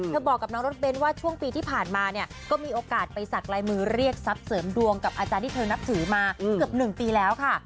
บอกกับน้องรถเบ้นว่าช่วงปีที่ผ่านมาเนี่ยก็มีโอกาสไปสักลายมือเรียกทรัพย์เสริมดวงกับอาจารย์ที่เธอนับถือมาเกือบ๑ปีแล้วค่ะ